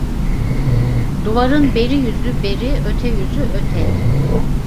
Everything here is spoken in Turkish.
Duvarın beri yüzü beri, öte yüzü öte.